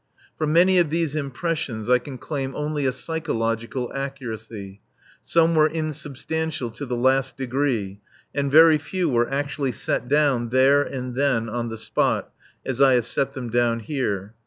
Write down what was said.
For many of these impressions I can claim only a psychological accuracy; some were insubstantial to the last degree, and very few were actually set down there and then, on the spot, as I have set them down here.